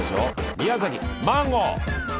宮崎マンゴー！